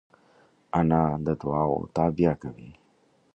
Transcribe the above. انا د دعاوو تابیا کوي